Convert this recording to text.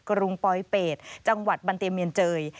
กรุงปลอยเป็ดจังหวัดบันเตียเมียนเจย